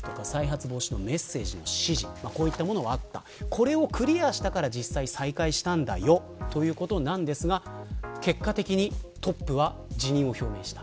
これをクリアしたから再開したということなんですが結果的にトップが辞任をした。